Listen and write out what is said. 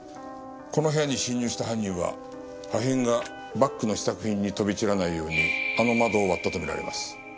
この部屋に侵入した犯人は破片がバッグの試作品に飛び散らないようにあの窓を割ったと見られます。